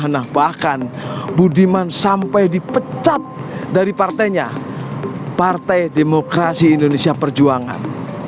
nah bahkan budiman sampai dipecat dari partainya partai demokrasi indonesia perjuangan